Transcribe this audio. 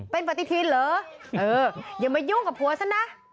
เป็นปฏิทินเหรอเอออย่ามายุ่งกับผัวฉันนะ